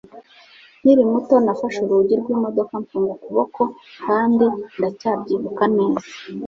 Nkiri muto nafashe urugi rw'imodoka mfunga ukuboko kandi ndacyabyibuka neza.